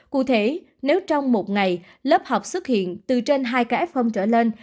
cụ thể nếu trong một ngày lớp học xuất hiện từ trên hai cái f trở lên